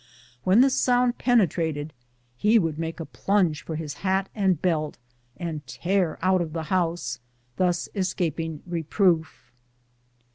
When the sound penetrated, he would make a plunge for his hat and belt, and tear out of the house, thus escaping reproof.